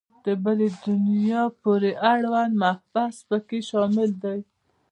د بلي دنیا پورې اړوند مباحث په کې شامل دي.